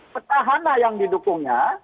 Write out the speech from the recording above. petahana yang didukungnya